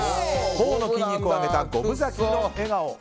頬の筋肉を上げた５分咲きの笑顔。